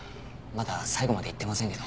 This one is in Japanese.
まだ最後まで言ってませんけど。